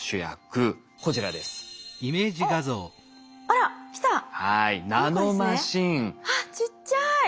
あっちっちゃい。